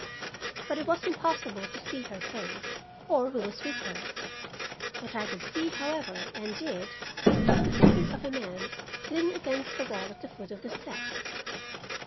But it was impossible to see her face or who was with her. What I could see, however, and did, was the figure of a man leaning against the wall at the foot of the steps.